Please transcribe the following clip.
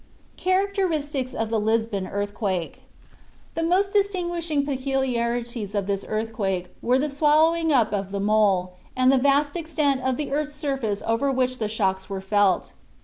CHARACTERISTICS OF THE LISBON EARTHQUAKE The most distinguishing peculiarities of this earthquake were the swallowing up of the mole, and the vast extent of the earth's surface over which the shocks were felt.